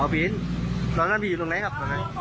วิ่งเลยหรือหรือเปลือกับ